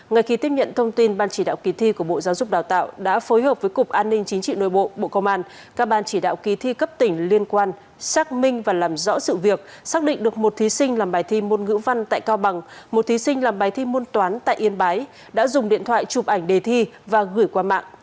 ngay khi tiếp nhận thông tin ban chỉ đạo kỳ thi của bộ giáo dục đào tạo đã phối hợp với cục an ninh chính trị nội bộ bộ công an các ban chỉ đạo kỳ thi cấp tỉnh liên quan xác minh và làm rõ sự việc xác định được một thí sinh làm bài thi môn ngữ văn tại cao bằng một thí sinh làm bài thi môn toán tại yên bái đã dùng điện thoại chụp ảnh đề thi và gửi qua mạng